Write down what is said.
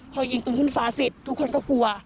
พอยิงปืนขึ้นฟ้าเสร็จทุกคนก็กลัว